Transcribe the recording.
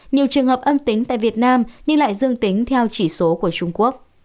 nhiều trường hợp âm tính tại việt nam nhưng lại dương tính theo chỉ số của trung quốc